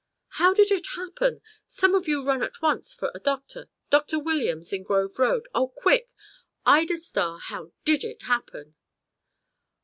"How did it happen? Some of you run at once for a doctor Dr. Williams in Grove Road Oh, quick! Ida Starr, how did it happen?"